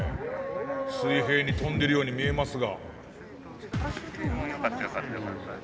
水平に飛んでるように見えますが。